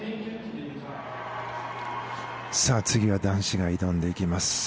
次は男子が挑んでいきます。